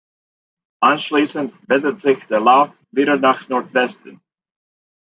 Anschließend wendet sich der Lauf wieder nach Nordwesten.